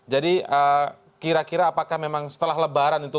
jadi kira kira apakah memang setelah lebaran itu